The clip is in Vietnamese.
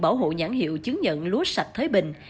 bảo hộ nhãn hiệu chứng nhận lúa sạch thới bình